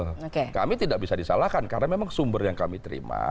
nah kami tidak bisa disalahkan karena memang sumber yang kami terima